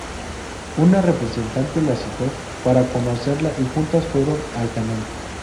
Una representante la citó para conocerla y juntas fueron al canal.